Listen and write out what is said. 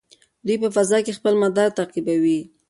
دوی په فضا کې خپل مدار تعقیبوي.